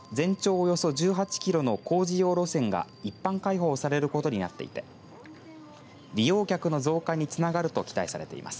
およそ１８キロの工事用路線が一般開放されることになっていて利用客の増加につながると期待されています。